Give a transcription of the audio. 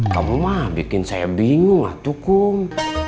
kamu mah bikin saya bingung atukum